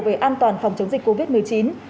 về an toàn phòng chống dịch covid một mươi chín